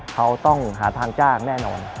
เขาต้องหาทางจ้างแน่นอน